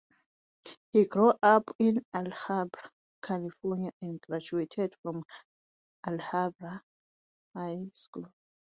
He grew up in Alhambra, California, and graduated from Alhambra High School.